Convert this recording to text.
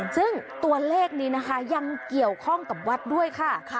ซึ่งตัวเลขนี้นะคะยังเกี่ยวข้องกับวัดด้วยค่ะ